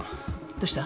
どうした？